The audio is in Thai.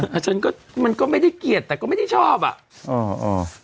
อ่ะถ้าฉันก็มันก็ไม่ได้เกียรติแต่ก็ไม่ได้ชอบอ่ะอ๋ออ